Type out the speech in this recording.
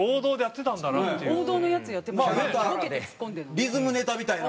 リズムネタみたいな。